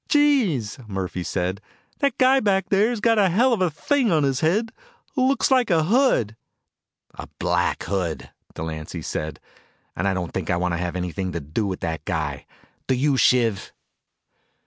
"Gees!" Murphy said. "That guy back there's got a hell of a thing on his head. Looks like a hood." "A black hood," Delancy said. "And I don't think I want to have anything to do with that guy, do you, Shiv?"